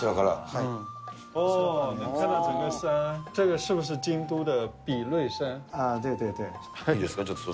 いいですか、ちょっと外。